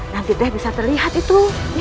nanti teh bisa terlihat itu